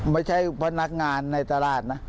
ไม่ใช่พนักงานในตลาดนะ